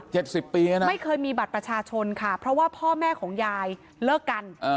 สิบปีแล้วนะไม่เคยมีบัตรประชาชนค่ะเพราะว่าพ่อแม่ของยายเลิกกันอ่า